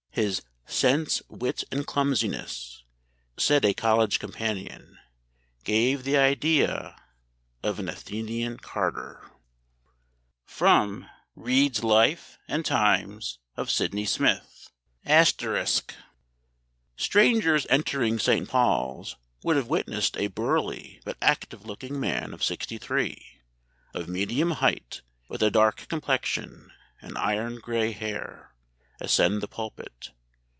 His 'sense, wit, and clumsiness,' said a college companion, gave 'the idea of an Athenian carter.'" [Sidenote: Reid's Life and Times of Sydney Smith. *] "Strangers entering St. Paul's ... would have witnessed a burly but active looking man of sixty three, of medium height, with a dark complexion and iron gray hair, ascend the pulpit.